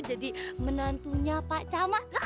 jadi menantunya pak camat